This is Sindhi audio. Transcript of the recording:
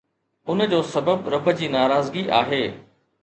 ان جو سبب رب جي ناراضگي آهي